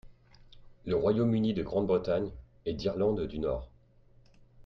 Le Royaume-Uni de Grande-Bretagne et d'Irlande du Nord.